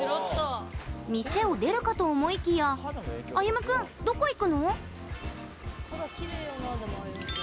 店を出るかと思いきやあゆむ君、どこ行くの？